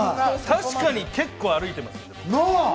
確かに結構歩いてます。